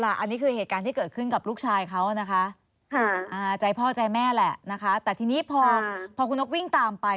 อันนี้คือเหตุการณ์ที่เกิดขึ้นกับลูกชายเขานะคะใจพ่อใจแม่แหละนะคะแต่ทีนี้พอคุณนกวิ่งตามไป